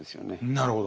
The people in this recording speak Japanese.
なるほど。